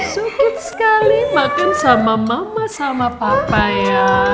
so cute sekali makan sama mama sama papa ya